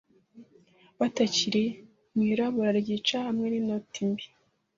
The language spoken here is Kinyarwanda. batakiri mwirabura ryica hamwe ninoti mbi